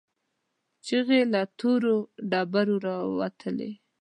چيغې له تورو ډبرو راتلې.